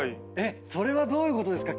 それはどういうことですか？